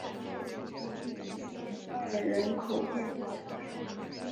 比西埃人口变化图示